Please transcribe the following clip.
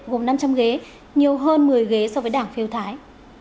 gồm năm trăm linh ghế nhiều hơn một mươi ghế so với đảng phiêu thái